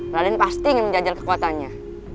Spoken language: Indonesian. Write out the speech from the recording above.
ralin pasti ingin menjajal kekuatannya